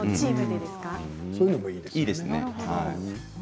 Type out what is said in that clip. そういうのもいいですね。